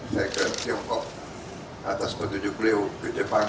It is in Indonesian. saya ke tiongkok atas petunjuk beliau ke jepang